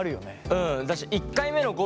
うん。